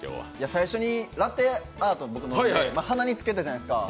最初にラテアートを僕飲んで、鼻につけたじゃないですか。